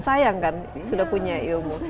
sayang kan sudah punya ilmu